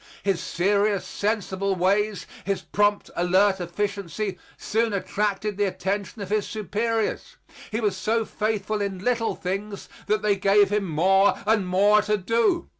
His serious, sensible ways, his prompt, alert efficiency soon attracted the attention of his superiors. He was so faithful in little things that they gave him more and more to do.